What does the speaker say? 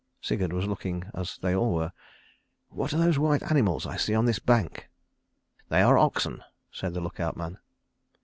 Sigurd was looking as they all were. "What are those white animals I see on this bank?" "They are oxen," said the look out man.